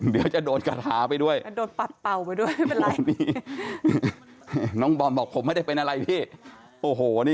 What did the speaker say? ปวดอยู่ตรงไหนครับพี่ออ